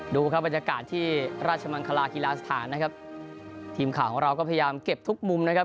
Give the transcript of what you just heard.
ดูครับบรรยากาศที่ราชมังคลากีฬาสถานนะครับทีมข่าวของเราก็พยายามเก็บทุกมุมนะครับ